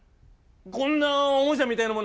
こんなおもちゃみたいなものを。